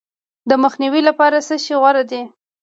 د مخنیوي لپاره څه شی غوره دي؟